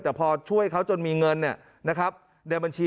แต่พอช่วยเขาจนมีเงินน่ะนะครับเนาะบัญชี